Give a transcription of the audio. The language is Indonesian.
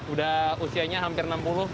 udah usianya hampir enam puluh